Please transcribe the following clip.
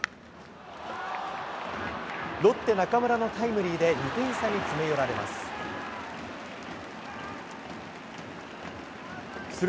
ロッテ、中村のタイムリーで２点差に詰め寄られます。